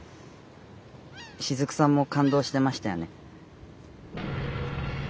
しずくさんもかんどうしてましたよね。